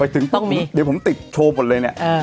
ไปซึ่งเดี๋ยวผมติดโฉวพอดเลยนะ